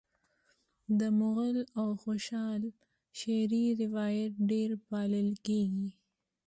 د مغل او خوشحال شعري روایت ډېر پالل کیږي